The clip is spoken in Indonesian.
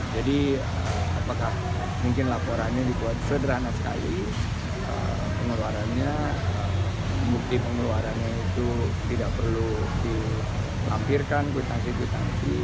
jadi apakah mungkin laporannya dibuat sederhana sekali pengeluarannya bukti pengeluarannya itu tidak perlu dilampirkan kwitansi kwitansi